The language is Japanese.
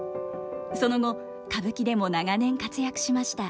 その後歌舞伎でも長年活躍しました。